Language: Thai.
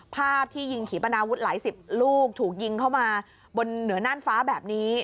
ภาพที่ยิงขี่ปนาวุธหลายสิบลูกถูกยิงเข้ามาบนเหนือน่านฟ้าแบบนี้